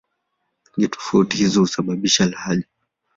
Pengine tofauti hizo husababisha lahaja.